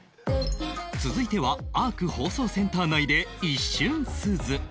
続いてはアーク放送センター内で一瞬すず